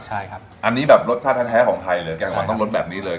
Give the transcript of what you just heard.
ใช่ครับอันนี้แบบรสชาติแท้ของไทยเลยแกงขวัญต้องรสแบบนี้เลย